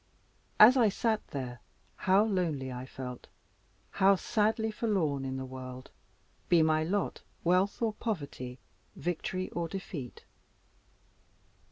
As I sat there how lonely I felt! how sadly forlorn in the world, be my lot wealth or poverty, victory or defeat!